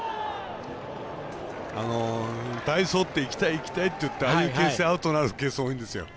代走って行きたい、行きたいってなってアウトになるケースが多いんですよ。